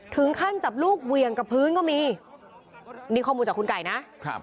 ถึงขั้นจับลูกเวียงกับพื้นก็มีนี่ข้อมูลจากคุณไก่นะครับ